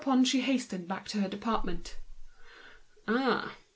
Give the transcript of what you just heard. And she hastened back to her department. "Ah!